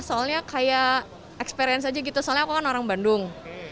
soalnya kayak experience aja gitu soalnya aku kan orang bandung